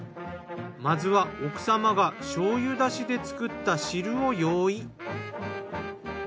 まずは奥様が醤油だしで作った汁を用意。